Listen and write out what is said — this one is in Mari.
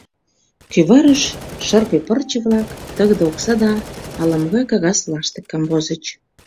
Кӱварыш шырпе пырче-влак, тыгыде окса да ала-могай кагаз лаштык камвозыч.